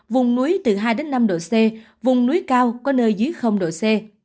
vùng núi từ hai đến năm độ c vùng núi cao có nơi dưới độ c